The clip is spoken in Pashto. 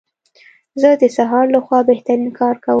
زه د سهار لخوا بهترین کار کوم.